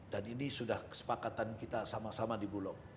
dan ini sudah kesepakatan kita sama sama di bulog